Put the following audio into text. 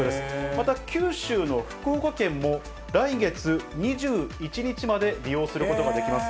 また九州の福岡県も、来月２１日まで利用することができます。